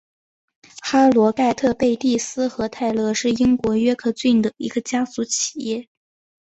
哈罗盖特贝蒂斯和泰勒是英国约克郡的一个家族企业。